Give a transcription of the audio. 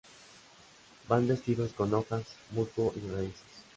Van vestidos con hojas, musgo y raíces.